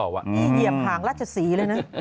นี่เหยียบหางราชศรีเลยนะ